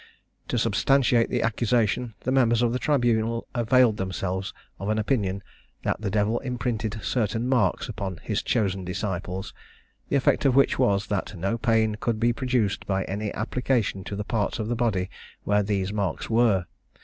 To substantiate the accusation, the members of the tribunal availed themselves of an opinion, that the devil imprinted certain marks upon his chosen disciples, the effect of which was, that no pain could be produced by any application to the parts of the body where these marks were.